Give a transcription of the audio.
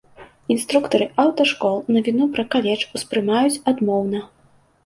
Інструктары аўташкол навіну пра каледж успрымаюць адмоўна.